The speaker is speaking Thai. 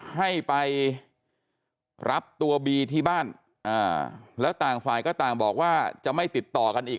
ให้ไปรับตัวบีที่บ้านแล้วต่างฝ่ายก็ต่างบอกว่าจะไม่ติดต่อกันอีก